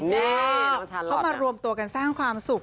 นี่น้องชาลอทนะเข้ามารวมตัวกันสร้างความสุข